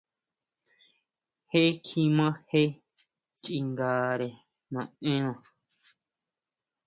Je kjima jee chingare naʼenna.